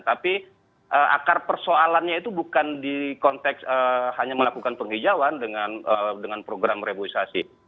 tapi akar persoalannya itu bukan di konteks hanya melakukan penghijauan dengan program reboisasi